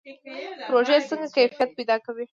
پروژې څنګه کیفیت پیدا کوي؟